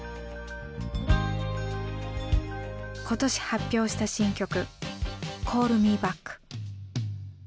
今年発表した新曲「Ｃａｌｌｍｅｂａｃｋ」。